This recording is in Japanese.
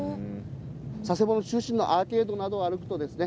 佐世保の中心のアーケードなどを歩くとですね